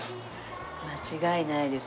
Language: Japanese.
間違いないです。